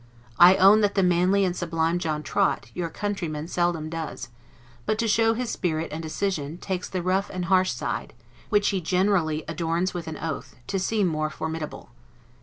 I own that the manly and sublime John Trott, your countryman, seldom does; but, to show his spirit and decision, takes the rough and harsh side, which he generally adorns with an oath, to seem more formidable.